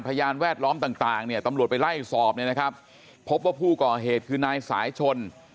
พยานแวดล้อมต่างเนี่ยตำรวจไปไล่สอบเนี่ยนะครับพบว่าผู้ก่อเหตุคือนายสายชน